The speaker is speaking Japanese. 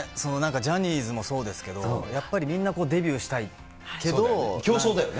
ジャニーズもそうですけど、やっぱりみんな、デビューしたい競争だよね。